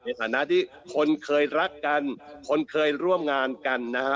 ในฐานะที่คนเคยรักกันคนเคยร่วมงานกันนะฮะ